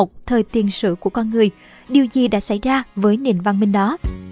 nên nếu chúng ta không biết về nền văn minh của con người điều gì đã xảy ra với nền văn minh đó